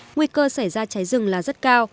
nguy cơ xảy ra cháy rừng là rất cao